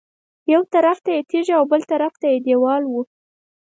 یو طرف یې تیږې او بل طرف یې دېوال و.